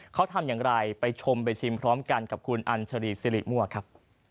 เขาทำอย่างไรไปชมไปชิมพร้อมกันกับคุณอัญชรีสิริมั่วครับ